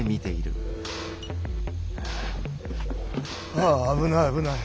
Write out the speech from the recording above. ・ああ危ない危ない。